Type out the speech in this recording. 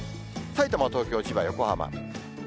さいたま、東京、千葉、横浜。